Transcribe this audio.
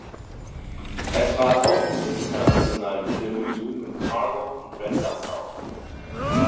Er trat auch in den internationalen Filmen Human Cargo und Red Dust auf.